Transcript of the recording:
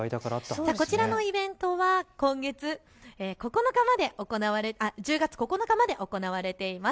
こちらのイベントは１０月９日まで行われています。